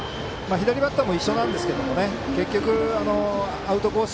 左バッターも一緒ですが結局アウトコース